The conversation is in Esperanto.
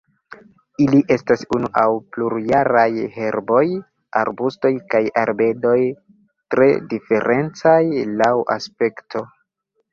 Ili estas unu aŭ plurjaraj herboj, arbustoj kaj arbedoj tre diferencaj laŭ aspekto.